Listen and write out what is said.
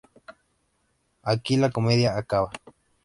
Y aquí la comedia acaba".